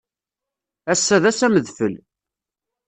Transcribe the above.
Ass-a d ass amedfel.